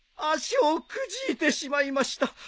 足をくじいてしまいました。